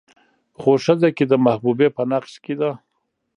خو ښځه که د محبوبې په نقش کې ده